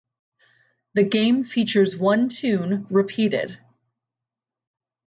The game features one tune repeated.